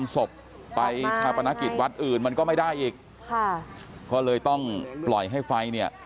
แต่มันก็ไม่ได้อีกก็เลยต้องปล่อยให้ไฟเนี่ย